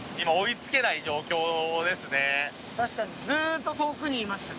確かにずっと遠くにいましたね。